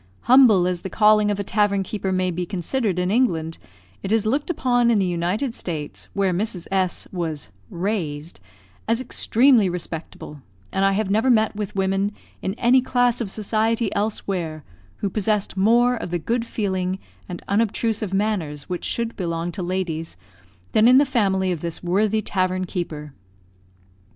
Humble as the calling of a tavern keeper may be considered in England, it is looked upon in the United States, where Mrs. S was "raised," as extremely respectable; and I have never met with women, in any class of society elsewhere, who possessed more of the good feeling and unobtrusive manners which should belong to ladies than in the family of this worthy tavern keeper.